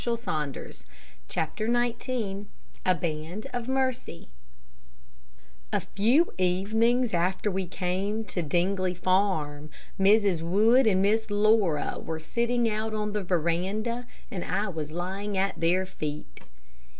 CHAPTER XIX A BAND OF MERCY A few evenings after we came to Dingley Farm, Mrs. Wood and Miss Laura were sitting out on the veranda, and I was lying at their feet.